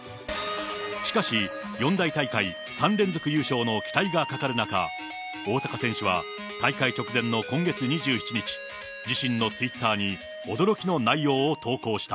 しかし、四大大会３連続優勝の期待がかかる中、大坂選手は大会直前の今月２７日、自身のツイッターに驚きの内容を投稿した。